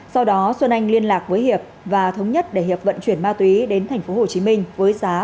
sau đó xuân anh liên lạc với hiệp và thống nhất để hiệp vận chuyển ma túy đến tp hcm với giá một trăm linh triệu đồng